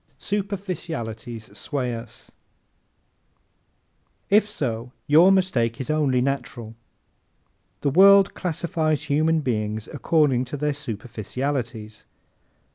Superficialities Sway Us ¶ If so your mistake is only natural. The world classifies human beings according to their superficialities.